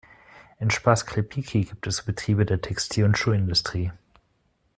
In Spas-Klepiki gibt es Betriebe der Textil- und Schuhindustrie.